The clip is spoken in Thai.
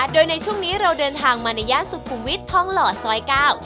โดยในช่วงนี้เราเดินทางมาในย่านสุขุมวิทย์ทองหล่อซอยเก้า